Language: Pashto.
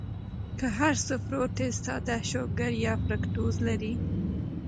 کۀ هر څو فروټس ساده شوګر يا فرکټوز لري